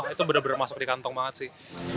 itu bener bener masuk di kantong banget sih